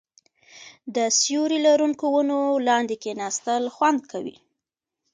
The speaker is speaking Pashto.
د سیوري لرونکو ونو لاندې کیناستل خوند کوي.